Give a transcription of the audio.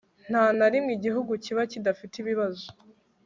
nta na rimwe igihugu kiba kidafite ibibazo